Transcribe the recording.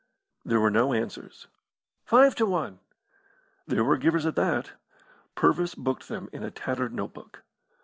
There were no answers. "Five to one!" There were givers at that. Purvis booked them in a tattered notebook.